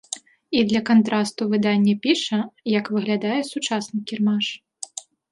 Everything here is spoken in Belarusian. І для кантрасту выданне піша, як выглядае сучасны кірмаш.